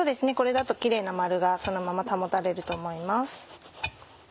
これだとキレイな丸がそのまま保たれると思います。